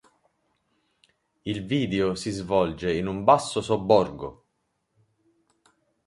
Il video si svolge in un basso sobborgo.